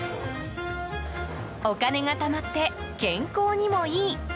お金がたまって健康にもいい。